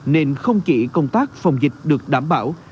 nên không chỉ công tác phòng dịch được đảm bảo